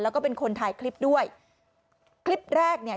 แล้วก็เป็นคนถ่ายคลิปด้วยคลิปแรกเนี่ย